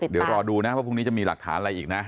เดี๋ยวรอดูนะว่าพรุ่งนี้จะมีหลักฐานอะไรอีกนะ